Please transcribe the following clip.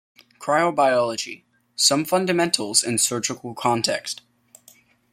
Cryobiology: some fundamentals in surgical context.